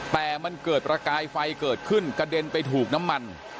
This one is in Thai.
แต่มันเกิดประกายไฟเกิดขึ้นกระเด็นไปถูกน้ำมัน